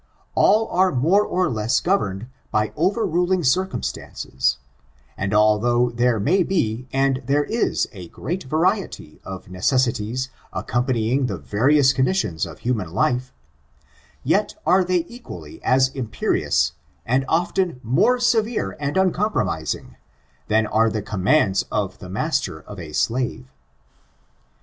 All are more or less governed by overruling circum stances, and although there may be and there is a great variety of necessities accompanying the various conditions of human life, yet are they equally as imperious and often more severe and uncompromising, than are the commands of the master of a slave.